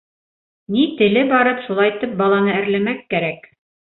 Ни теле барып шулайтып баланы әрләмәк кәрәк.